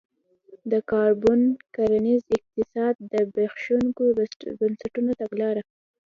د کارابین کرنیز اقتصاد کې د زبېښونکو بنسټونو تګلاره